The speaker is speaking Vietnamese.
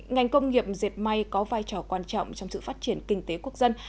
ngành công nghiệp diệt may có vai trò quan trọng trong sự phát triển kinh tế quốc dân